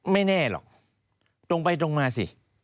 ไม่แน่หรอกตรงไปตรงมาสิ